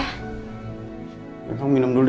kamu minum dulu deh